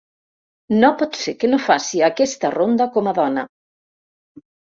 No pot ser que no faci aquesta ronda com a dona.